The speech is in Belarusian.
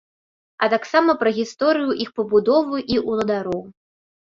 А таксама пра гісторыю іх пабудовы і уладароў.